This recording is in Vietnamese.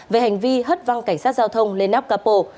về hành vi hất văng cảnh sát giao thông lên nắp cáp bộ